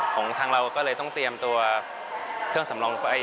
ของทางเราก็เลยต้องเตรียมตัวเครื่องสำรองไว้